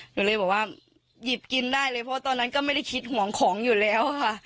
หนูเลยบอกว่าหยิบกินได้เลยเพราะตอนนั้นก็ไม่ได้คิดห่วงของอยู่แล้วค่ะ